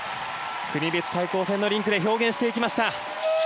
国別対抗戦のリンクで表現していきました。